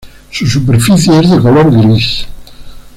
Su superficie es de color gris.